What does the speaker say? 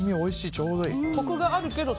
ちょうどいい。